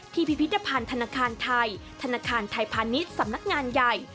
พิพิธภัณฑ์ธนาคารไทยธนาคารไทยพาณิชย์สำนักงานใหญ่